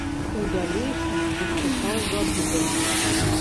У далейшым выступаў за дубль.